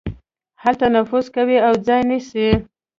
هلته نفوذ کوي او ځای نيسي.